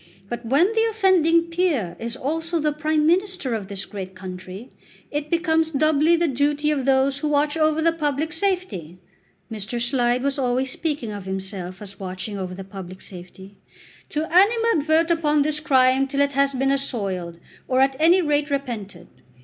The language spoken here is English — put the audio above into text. But when the offending peer is also the Prime Minister of this great country, it becomes doubly the duty of those who watch over the public safety," Mr. Slide was always speaking of himself as watching over the public safety, "to animadvert upon his crime till it has been assoiled, or at any rate repented.